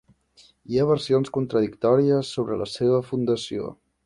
Hi ha versions contradictòries sobre la seva fundació.